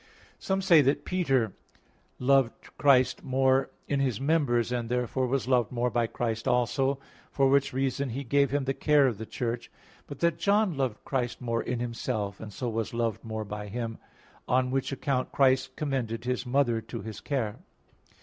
Some say that Peter loved Christ more in His members, and therefore was loved more by Christ also, for which reason He gave him the care of the Church; but that John loved Christ more in Himself, and so was loved more by Him; on which account Christ commended His mother to his care.